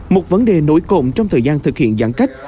một vấn đề nổi cộng trong thời gian thực hiện giãn cách